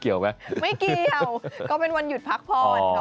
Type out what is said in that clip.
เกี่ยวไหมไม่เกี่ยวก็เป็นวันหยุดพักพอด